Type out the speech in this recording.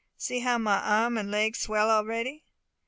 See how my arm and leg swell a'ready."